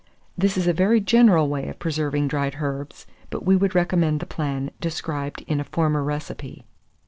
This is a very general way of preserving dried herbs; but we would recommend the plan described in a former recipe.